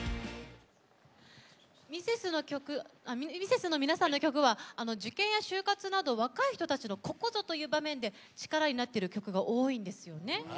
ミセスの皆さんの曲は受験や就活など若い人たちのここぞという場面で力になっている曲が多いんですよね。